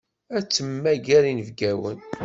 Ad temmager inebgawen.